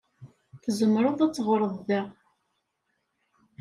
Tzemreḍ ad teɣṛeḍ da.